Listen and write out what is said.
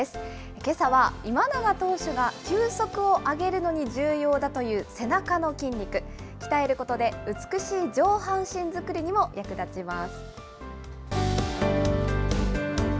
けさは今永投手が球速を上げるのに重要だという背中の筋肉、鍛えることで美しい上半身作りにも役立ちます。